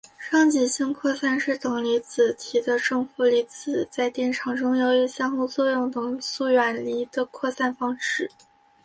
双极性扩散是等离子体的正负粒子在电场中由于相互作用等速远离的扩散方式。